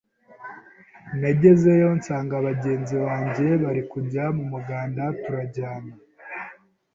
nagezeyo nsanga bagenzi banjye bari kujya mu muganda turajyana,